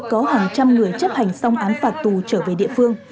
có hàng trăm người chấp hành xong án phạt tù trở về địa phương